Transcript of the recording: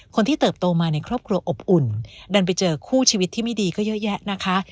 เติบโตมาในครอบครัวอบอุ่นดันไปเจอคู่ชีวิตที่ไม่ดีก็เยอะแยะนะคะ